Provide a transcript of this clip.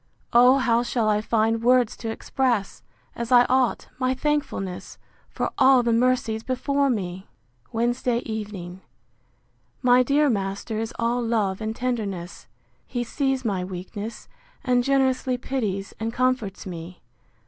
O how shall I find words to express, as I ought, my thankfulness, for all the mercies before me! Wednesday evening. My dear master is all love and tenderness. He sees my weakness, and generously pities and comforts me!